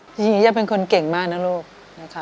จริงย่าเป็นคนเก่งมากนะลูกนะคะ